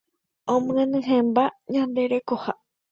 Omyenyhẽmba ñande rekoha